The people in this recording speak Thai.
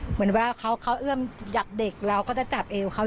เหมือนว่าเขาเอื้อมจับเด็กเราก็จะจับเอวเขา